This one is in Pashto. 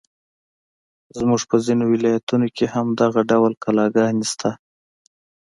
زموږ په ځینو ولایتونو کې هم دغه ډول کلاګانې شته.